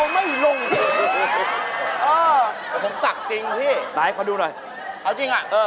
มันถูกพูดนะจริง